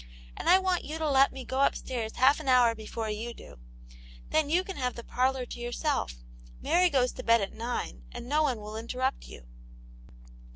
And I want you to let me go upstairs half an hour before you do : then you can have the parlour to yourself; Mary goes to bed at nine, and no one will interrupt you."